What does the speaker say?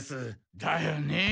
だよね。